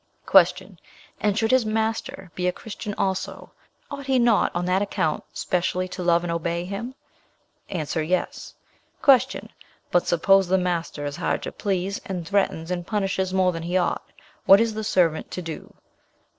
"Q. And, should his master be a Christian also, ought he not on that account specially to love and obey him? A. 'Yes.' "Q. But suppose the master is hard to please, and threatens and punishes more than he ought, what is the servant to do?